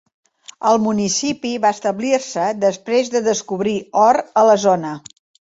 El municipi va establir-se després de descobrir or a la zona.